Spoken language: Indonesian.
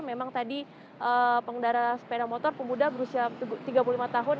memang tadi pengendara sepeda motor pemuda berusia tiga puluh lima tahun